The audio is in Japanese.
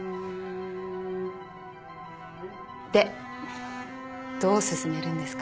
でどう進めるんですか？